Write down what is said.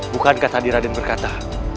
bukankah tadi raden berkata